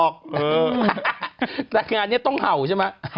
ใช่ต้องห่าวใช่มะ